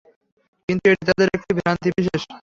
কিন্তু এটি তাদের একটি ভ্রান্তি বিশেষ।